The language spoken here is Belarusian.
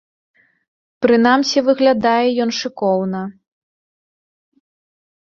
Прынамсі выглядае ён шыкоўна.